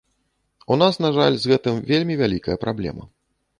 У нас, на жаль, з гэтым вельмі вялікая праблема.